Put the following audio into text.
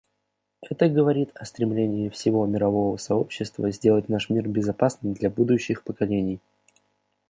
Это говорит о стремлении всего мирового сообщества сделать наш мир безопасным для будущих поколений.